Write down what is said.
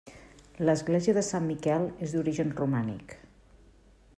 L'església de Sant Miquel és d'origen romànic.